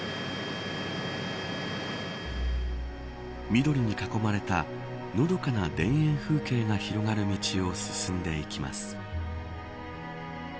緑に囲まれたのどかな田園風景が広がる道を進んでいきます。